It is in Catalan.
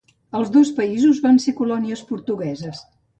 Els dos països van ser colònies portugueses.